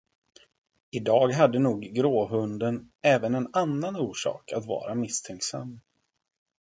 I dag hade nog gråhunden även en annan orsak att vara misstänksam.